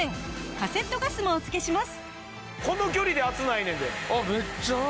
カセットガスもお付けします。